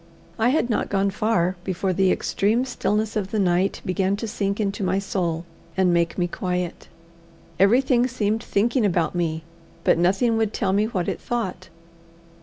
I had not gone far before the extreme stillness of the night began to sink into my soul and make me quiet. Everything seemed thinking about me, but nothing would tell me what it thought.